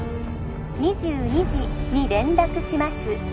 ☎２２時に連絡します